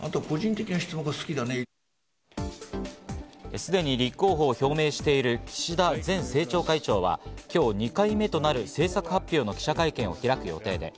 すでに立候補を表明している岸田前政調会長は今日２回目となる政策発表の記者会見を開く予定です。